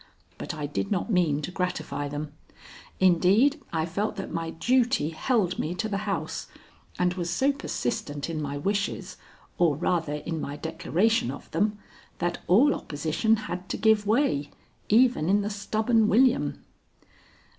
But I did not mean to gratify them. Indeed I felt that my duty held me to the house, and was so persistent in my wishes, or rather in my declaration of them, that all opposition had to give way, even in the stubborn William.